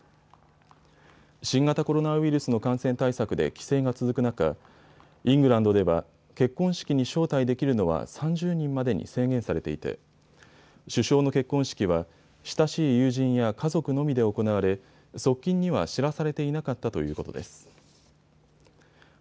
新型コロナウイルスの感染対策で規制が続く中、イングランドでは結婚式に招待できるのは３０人までに制限されていて首相の結婚式は親しい友人や家族のみで行われ側近には知らされていなかったということです。